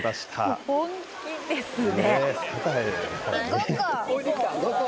もう本気ですね。